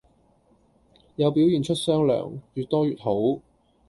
有表現出雙糧，越多越好!